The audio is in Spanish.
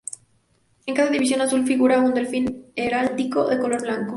En cada división azul figura un delfín heráldico de color blanco.